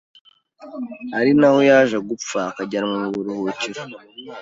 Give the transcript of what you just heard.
ari naho yaje gupfa akajyanwa mu buruhukiro